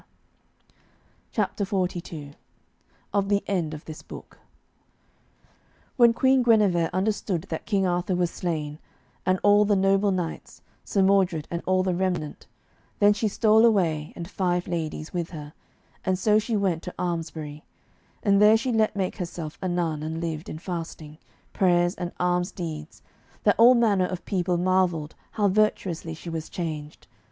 _" CHAPTER XLII OF THE END OF THIS BOOK When Queen Guenever understood that King Arthur was slain, and all the noble knights, Sir Mordred and all the remnant, then she stole away, and five ladies with her, and so she went to Almesbury, and there she let make herself a nun, and lived in fasting, prayers, and alms deeds, that all manner of people marvelled how virtuously she was changed.